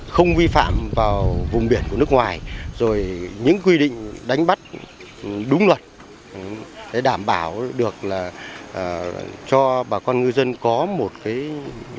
không vi phạm vào vùng biển của nước ngoài rồi những quy định đánh bắt đúng luật để đảm bảo được cho bà con ngư dân có một nhận thức đúng